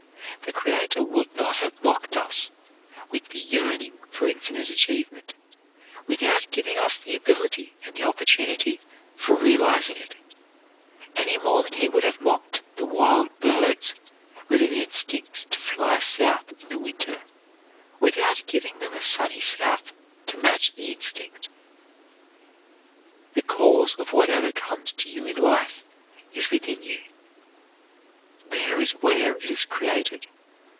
The Creator would not have mocked us with the yearning for infinite achievement without giving us the ability and the opportunity for realizing it, any more than he would have mocked the wild birds with an instinct to fly south in the winter without giving them a sunny South to match the instinct. The cause of whatever comes to you in life is within you. There is where it is created.